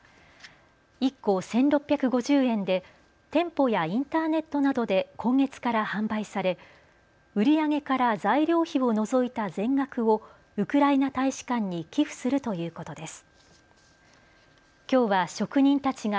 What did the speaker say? １個１６５０円で店舗やインターネットなどで今月から販売され売り上げから材料費を除いた全額をウクライナ大使館に寄付するということです。